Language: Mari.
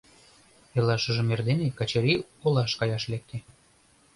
Эрлашыжым эрдене Качырий олаш каяш лекте.